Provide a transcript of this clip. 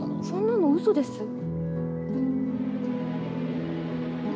そんなの嘘です。